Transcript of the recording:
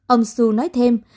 ông su nói thêm